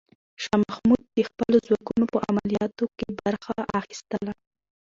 شاه محمود د خپلو ځواکونو په عملیاتو کې برخه اخیستله.